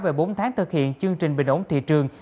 về bốn tháng thực hiện chương trình bình ổn thị trường